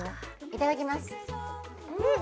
いただきますうん！